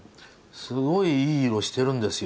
すごいいい色してるんですよ。